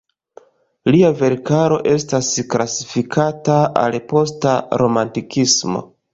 Lia verkaro estas klasifikata al posta romantikismo.